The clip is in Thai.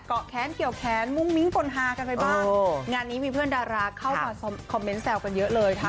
แค้นเกี่ยวแค้นมุ้งมิ้งปนฮากันไปบ้างงานนี้มีเพื่อนดาราเข้ามาคอมเมนต์แซวกันเยอะเลยค่ะ